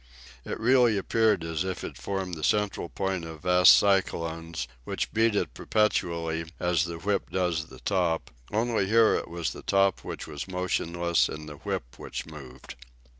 It really appeared as if it formed the central point of vast cyclones, which beat it perpetually as the whip does the top, only here it was the top which was motionless and the whip which moved.